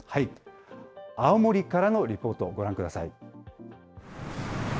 青森からのリポート、ご覧ください。